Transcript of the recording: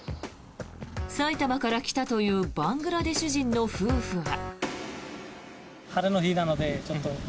埼玉から来たというバングラデシュ人の夫婦は。